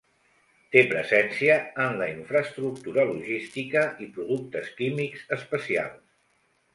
Té presència en la infraestructura logística i productes químics especials.